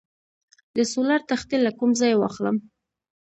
د سولر تختې له کوم ځای واخلم؟